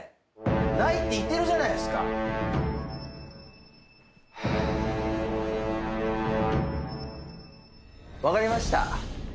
ないって言ってるじゃないですかはあ分かりました